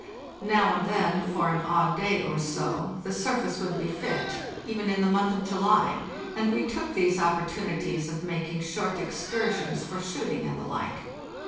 Now and then for an odd day or so the surface would be fit, even in the month of July, and we took these opportunities of mak ing short excursions for shooting and the like.